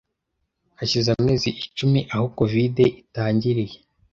Hashize amezi icumi aho COVID itangiriye